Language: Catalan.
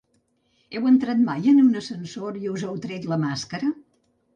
Heu entrat mai en un ascensor i us heu tret la màscara?